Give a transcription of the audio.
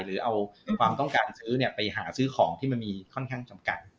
หรือเอาความต้องการซื้อไปหาซื้อของที่มันมีค่อนข้างจำกัด